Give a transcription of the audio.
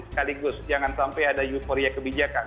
sekaligus jangan sampai ada euforia kebijakan